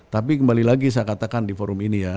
tapi kembali lagi saya katakan di forum ini ya